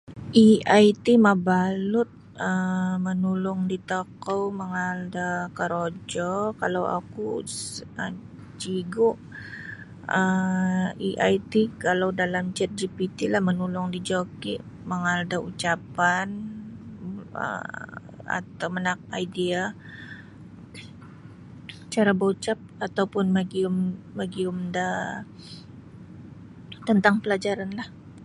AI ti mabalut um manulung di tokou mangaal da korojo kalau oku um cigu um AI ti kalau dalam ChatGPT lah manulung da joki mangaal da ucapan atau manaak idea cara baucap ataupun magium magium da tantang pelajaran lah.